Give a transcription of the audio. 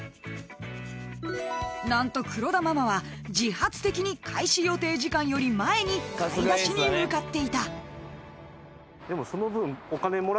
［何と黒田ママは自発的に開始予定時間より前に買い出しに向かっていた］